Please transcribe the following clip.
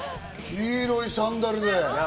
黄色いサンダルで。